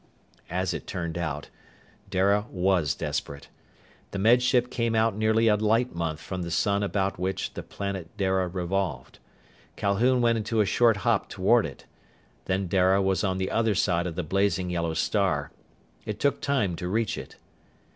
As it turned out, Dara was desperate. The Med Ship came out nearly a light month from the sun about which the planet Dara revolved. Calhoun went into a short hop toward it. Then Dara was on the other side of the blazing yellow star. It took time to reach it.